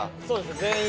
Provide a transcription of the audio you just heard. そうですね